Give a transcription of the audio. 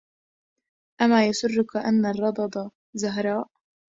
أما يسرك أن الررض زهراء